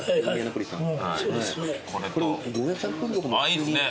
いいですね。